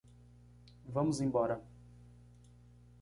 Vamos embora.